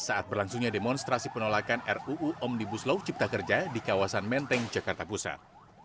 saat berlangsungnya demonstrasi penolakan ruu omnibus law cipta kerja di kawasan menteng jakarta pusat